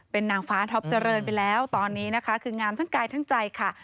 เป็นนางฟ้าท็อปเจริญไปแล้วตอนนี้นะคะคืองามทั้งกายทั้งใจค่ะ